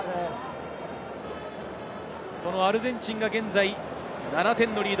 そのアルゼンチンが現在、７点リード。